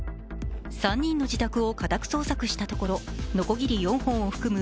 ３人の自宅を家宅捜索したところのこぎり４本を含む